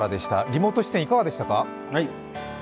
リモート出演いかがでしたか？